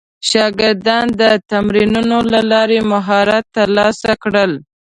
شاګردان د تمرینونو له لارې مهارت ترلاسه کړل.